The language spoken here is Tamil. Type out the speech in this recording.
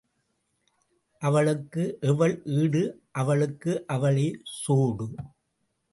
அவளுக்கு எவள் ஈடு அவளுக்கு அவளே சோடு.